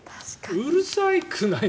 うるさくないの？